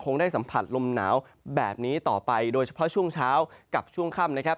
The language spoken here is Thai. ได้สัมผัสลมหนาวแบบนี้ต่อไปโดยเฉพาะช่วงเช้ากับช่วงค่ำนะครับ